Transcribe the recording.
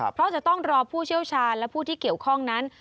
เพราะจะต้องรอผู้เชี่ยวชาญและผู้ที่เกี่ยวข้องนั้น